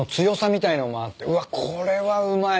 うわこれはうまい。